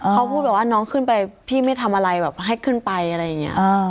เขาพูดแบบว่าน้องขึ้นไปพี่ไม่ทำอะไรแบบให้ขึ้นไปอะไรอย่างนี้